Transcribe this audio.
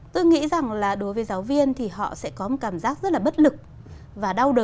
tôi nghĩ rằng là đối với giáo viên thì họ sẽ có một cảm giác rất là bất lực và đau đầu